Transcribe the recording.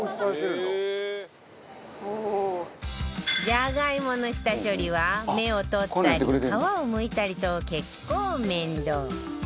じゃがいもの下処理は芽を取ったり、皮をむいたりと結構、面倒